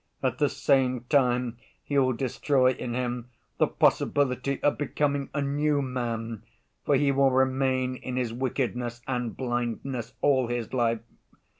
At the same time you will destroy in him the possibility of becoming a new man, for he will remain in his wickedness and blindness all his life.